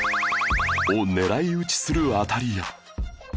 を狙い撃ちする当たり屋